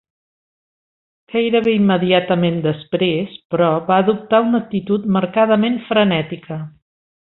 Gairebé immediatament després, però, va adoptar una actitud marcadament frenètica.